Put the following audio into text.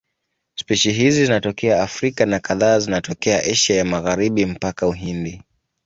Spishi hizi zinatokea Afrika na kadhaa zinatokea Asia ya Magharibi mpaka Uhindi.